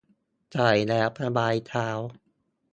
ใส่แล้วสบายเท้า